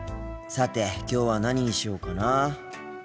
さてきょうは何にしようかなあ。